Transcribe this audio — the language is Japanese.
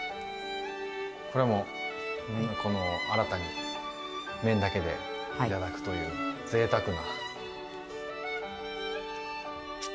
これはもう新たに麺だけでいただくというぜいたくな。